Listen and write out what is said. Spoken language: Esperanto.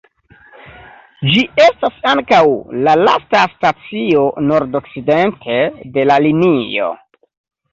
Ĝi estas ankaŭ la lasta stacio nordokcidente de la linio.